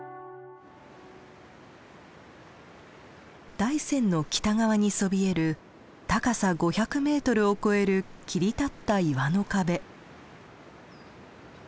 大山の北側にそびえる高さ５００ｍを超える切り立った岩の壁。